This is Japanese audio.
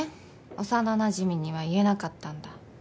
幼なじみには言えなかったんだ。